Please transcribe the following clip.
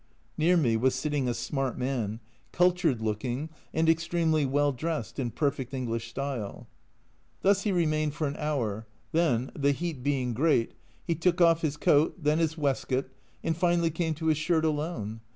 Near me was sitting a smart man, cultured looking, and extremely well dressed in perfect English style. io A Journal from Japan Thus he remained for an hour ; then, the heat being great, he took off his coat, then his waistcoat, and finally came to his shirt alone